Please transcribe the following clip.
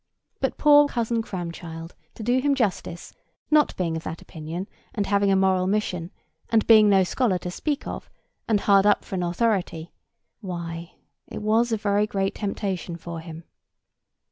But poor Cousin Cramchild, to do him justice, not being of that opinion, and having a moral mission, and being no scholar to speak of, and hard up for an authority—why, it was a very great temptation for him.